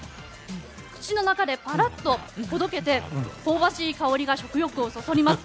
口の中でぱらっととろけて香ばしい香りが食欲をそそります。